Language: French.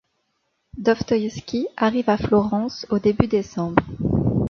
Dostoïevski arrive à Florence au début décembre.